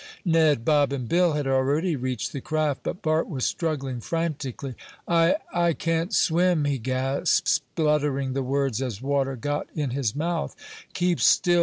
Ned, Bob and Bill had already reached the craft, but Bart was struggling frantically. "I I can't swim!" he gasped, spluttering the words as water got in his mouth. "Keep still!"